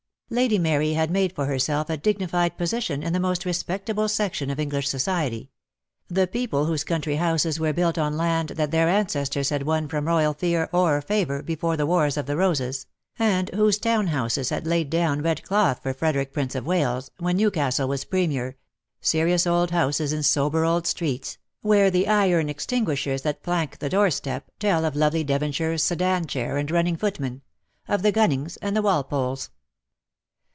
Lady Mary had made for herself a dignified position in the most respectable section of English society, the people whose country houses were built on land that their ancestors had won from royal fear or favour before the Wars of the Roses, and whose town houses had laid down red cloth for Frederick Prince of Wales, when Newcastle was Premier, serious old houses in sober old streets, where the iron extinguishers that flank the doorstep tell of lovely Devonshire's sedan chair and running footmen, of the Gunnings and the Walpoles.